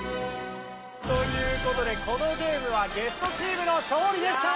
という事でこのゲームはゲストチームの勝利でした！